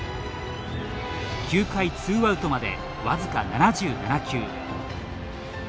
９回ツーアウトまで僅か７７球。